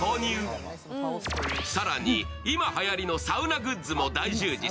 更に、今はやりのサウナグッズも大充実。